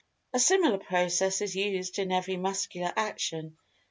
A similar[Pg 213] process is used in every muscular action.